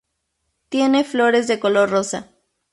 Tiene flores de color rosa.